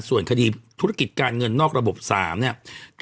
ส่วนคดีธุรกิจการเงินนอกระบบ๓เนี่ย